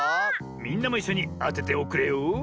みんなもいっしょにあてておくれよ。